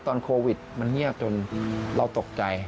ตอนโควิดมันเงียบจนเราตกใจ